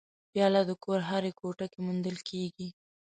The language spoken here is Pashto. پیاله د کور هرې کوټې کې موندل کېږي.